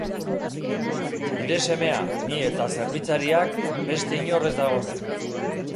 Nire semea, ni eta zerbitzariak, beste inor ez dago hemen.